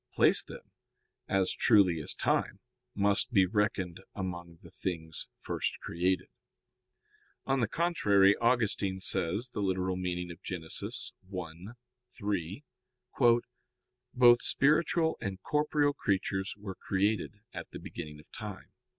Place, then, as truly as time, must be reckoned among the things first created. On the contrary, Augustine says (Gen. ad lit. i, 3): "Both spiritual and corporeal creatures were created at the beginning of time."